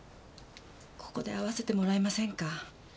ここで会わせてもらえませんか。